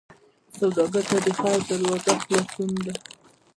سوالګر ته د خیر دروازه خلاصون ده